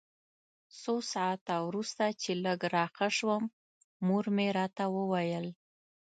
څو ساعته وروسته چې لږ راښه شوم مور مې راته وویل.